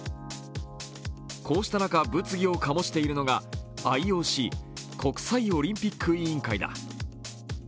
こうした中、物議を醸しているのがＩＯＣ＝国際オリンピック委員会だ。